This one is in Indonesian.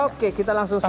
oke kita langsung saja